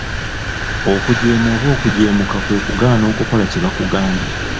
Okujeema oba okujeemuka kwe kugaana okukola kye bakugambye.